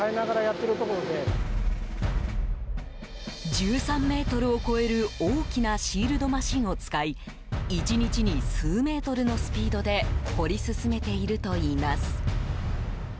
１３ｍを超える大きなシールドマシンを使い１日に数メートルのスピードで掘り進めているといいます。